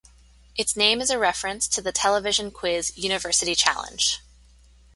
Its name is a reference to the television quiz "University Challenge".